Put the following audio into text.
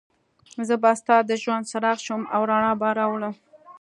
زه به ستا د ژوند څراغ شم او رڼا به راولم.